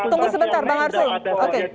tunggu sebentar bang arsul